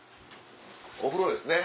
お風呂ですね。